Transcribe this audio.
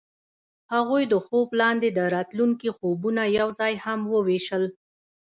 هغوی د خوب لاندې د راتلونکي خوبونه یوځای هم وویشل.